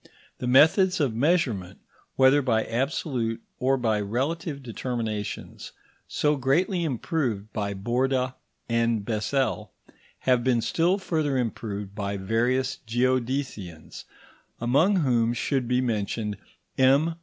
The methods of measurement, whether by absolute or by relative determinations, so greatly improved by Borda and Bessel, have been still further improved by various geodesians, among whom should be mentioned M.